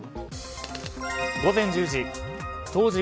午前１０時。